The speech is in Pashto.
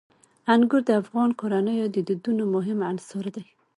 انګور د افغان کورنیو د دودونو مهم عنصر دی.